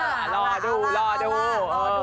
เออรอดูรอดู